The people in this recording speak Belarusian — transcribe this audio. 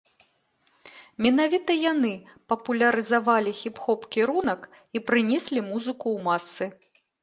Менавіта яны папулярызавалі хіп-хоп кірунак і прынеслі музыку ў масы.